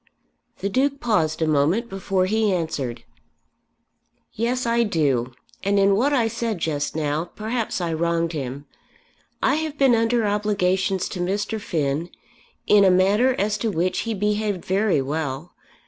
The Duke paused a moment before he answered. "Yes I do; and in what I said just now perhaps I wronged him. I have been under obligations to Mr. Finn, in a matter as to which he behaved very well.